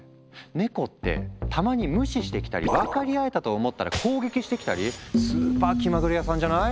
ネコってたまに無視してきたり分かり合えたと思ったら攻撃してきたりスーパー気まぐれ屋さんじゃない？